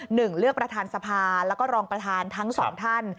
เลือกประธานสภาแล้วก็รองประธานทั้งสองท่าน